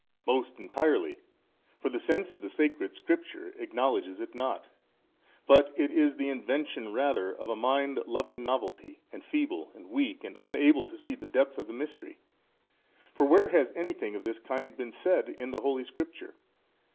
A. Most entirely: for the sense of the sacred Scriptures acknowledges it not, but it is the invention rather of a mind loving novelty and feeble and weak and unable to see the depth of the mystery: for where has anything of this kind been said by the holy Scripture?